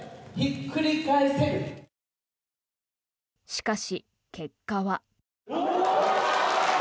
しかし、結果は。